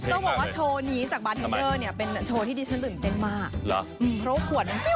แล้วผ่านจากแถวจมูก